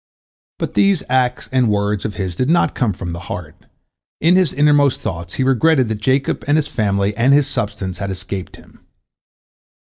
But these acts and words of his did not come from the heart; in his innermost thoughts he regretted that Jacob and his family and his substance had escaped him.